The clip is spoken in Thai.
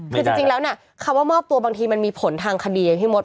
คือจริงแล้วเนี่ยคำว่ามอบตัวบางทีมันมีผลทางคดีไงพี่มด